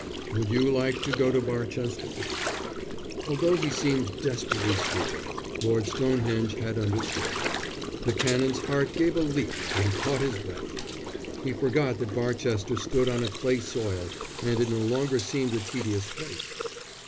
"Would you like to go to Barchester?" Although he seemed desperately stupid Lord Stonehenge had understood. The Canon's heart gave a leap and he caught his breath. He forgot that Barchester stood on a clay soil, and it no longer seemed a tedious place.